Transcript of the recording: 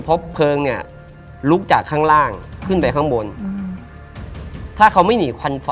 พบเพลิงเนี่ยลุกจากข้างล่างขึ้นไปข้างบนอืมถ้าเขาไม่หนีควันฝ่อ